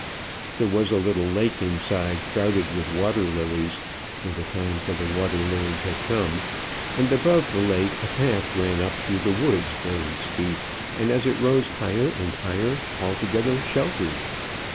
There was a little lake inside crowded with water lilies, when the time for the water lilies had come; and above the lake a path ran up through the woods, very steep, and as it rose higher and higher, altogether sheltered.